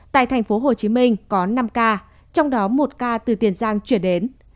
tại thành phố hồ chí minh có năm ca trong đó một ca từ tiền giang chuyển đến